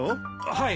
はい。